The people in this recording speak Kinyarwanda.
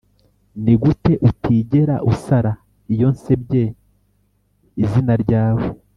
nigute utigera usara iyo nsebye izina ryawe.